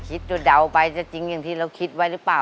จะเดาไปจะจริงอย่างที่เราคิดไว้หรือเปล่า